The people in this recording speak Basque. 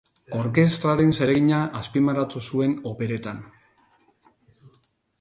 Orkestraren zeregina azpimarratu zuen operetan.